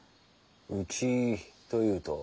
「うち」というと。